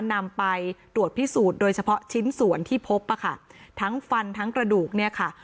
นำไปตรวจพิสูจน์โดยเฉพาะชิ้นส่วนที่พบอ่ะค่ะทั้งฟันทั้งกระดูกเนี่ยค่ะ